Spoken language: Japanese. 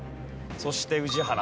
そして宇治原さん。